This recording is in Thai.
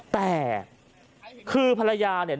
แต่คือภรรยาเนี่ย